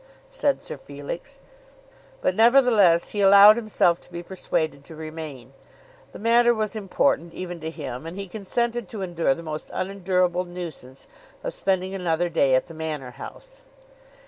said Sir Felix. But nevertheless he allowed himself to be persuaded to remain. The matter was important even to him, and he consented to endure the almost unendurable nuisance of spending another day at the Manor House.